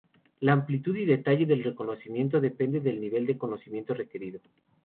La amplitud y detalle del reconocimiento depende del nivel de conocimiento requerido.